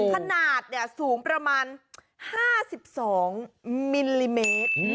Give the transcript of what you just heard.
ขนาดสูงประมาณ๕๒มิลลิเมตร